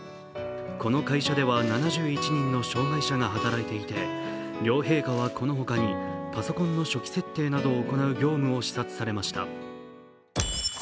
この会社では７１人の障害者が働いていて両陛下はこのほかに、パソコンの初期設定などを行う業務を視察されました。